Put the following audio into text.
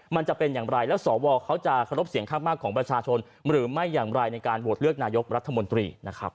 มันจะเป็นอย่างไรและสสจะรับสี่งข้างมากของประชาชนหรือไม่อย่างไรในการโหวตเลือกนายกวัฒนมตรี